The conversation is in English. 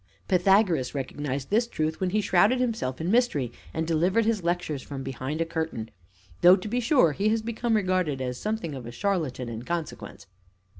Pythagoras recognized this truth when he shrouded himself in mystery and delivered his lectures from behind a curtain, though to be sure he has come to be regarded as something of a charlatan in consequence."